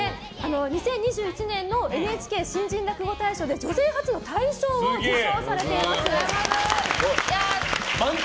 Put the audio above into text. ２０２１年のＮＨＫ新人落語大賞で女性初の大賞を受賞されています。